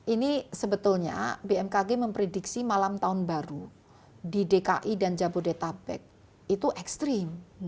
ini sebetulnya bmkg memprediksi malam tahun baru di dki dan jabodetabek itu ekstrim